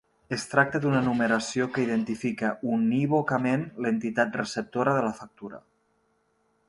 Es tracta d'una numeració que identifica unívocament l'entitat receptora de la factura.